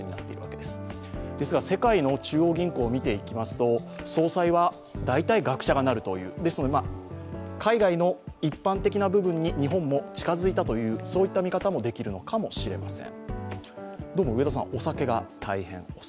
ですが世界の中央銀行を見ていきますと総裁は、大体、学者がなるというですので、海外の一般的な部分に日本も近づいたという見方もできるのかもしれません。